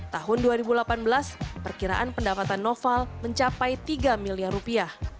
tahun dua ribu delapan belas perkiraan pendapatan noval mencapai tiga miliar rupiah